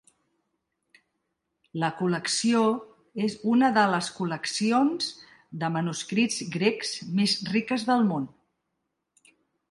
La col·lecció és una de les col·leccions de manuscrits grecs més riques del món.